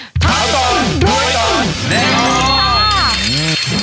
ถามตอนด้วยตอนแน่นอน